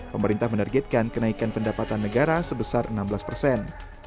pemerintah menargetkan kenaikan pendapatan negara sebesar enam belas persen